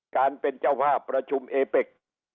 การเป็นเจ้าภาพประชุมเอเป็ก